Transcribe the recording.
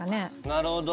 なるほど。